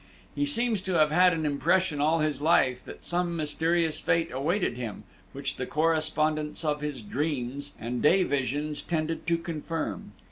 He seems to have had an impression all his life that some mysterious fate awaited him, which the correspondence of his dreams and day visions tended to confirm.